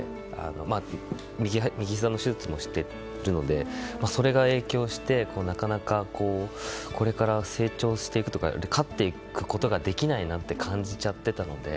まあ右ひざの手術もしているのでそれが影響して、なかなかこれから成長していくとか勝っていくことができないなって感じちゃっていたので。